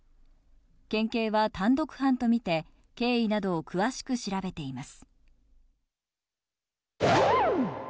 県警は単独犯と見て、経緯などを詳しく調べています。